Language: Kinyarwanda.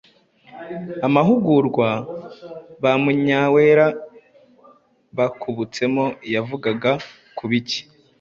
Amahugurwa ba Munyawera bakubutsemo yavugaga ku biki?